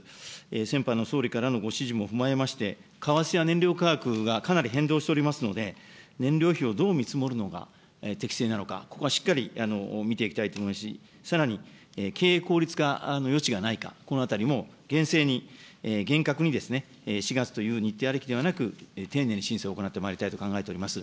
先般の総理からのご指示も踏まえまして、為替や燃料価格がかなり変動しておりますので、燃料費をどう見積もるのが適正なのか、ここはしっかり見ていきたいと思いますし、さらに経営効率化の余地がないか、このあたりも厳正に、厳格にですね、４月という日程ありきではなく、丁寧に審査を行ってまいりたいと考えております。